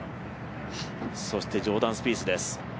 そしてジョーダン・スピースです。